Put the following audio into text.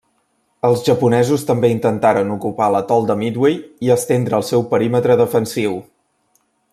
Els japonesos també intentaren ocupar l'atol de Midway i estendre el seu perímetre defensiu.